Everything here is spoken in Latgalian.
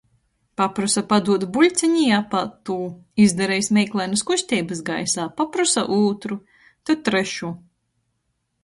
Paprosa padūt buļceni i apād tū, izdarejs meiklainys kusteibys gaisā, paprosa ūtru, tod trešu...